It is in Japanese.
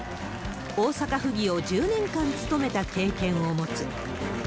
大阪府議を１０年間務めた経験を持つ。